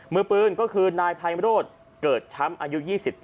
มือปืนก็คือนายไพมโรธเกิดช้ำอายุ๒๗